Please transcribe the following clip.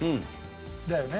だよね？